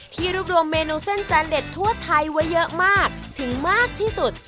รวบรวมเมนูเส้นจานเด็ดทั่วไทยไว้เยอะมากถึงมากที่สุด